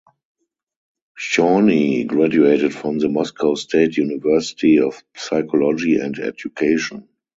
Chorny graduated from the Moscow State University of Psychology and Education.